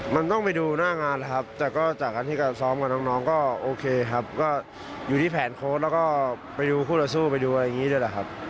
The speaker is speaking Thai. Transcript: มันต้องไปดูหน้างานนะครับแต่ก็จากการที่การซ้อมกับน้องก็โอเคครับก็อยู่ที่แผนโค้ดแล้วก็ไปดูคู่ต่อสู้ไปดูอะไรอย่างนี้ด้วยแหละครับ